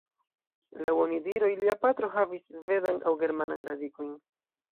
Laŭ onidiroj, lia patro havis svedan aŭ germanan radikojn.